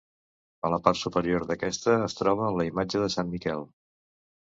A la part superior d'aquesta es troba la imatge de Sant Miquel.